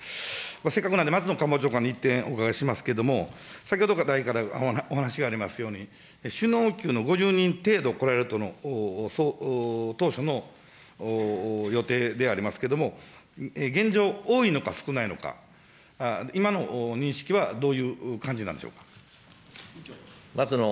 せっかくなんで松野官房長官に１点お伺いしますけれども、先ほどからお話がありますように、首脳級の５０人程度、来られるとの、当初の予定でありますけれども、現状、多いのか、少ないのか、今の認識はどういう感じなんでし松野